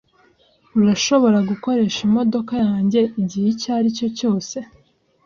Urashobora gukoresha imodoka yanjye igihe icyo aricyo cyose.